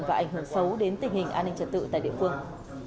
và ảnh hưởng xấu đến tình hình an ninh trật tự tại địa phương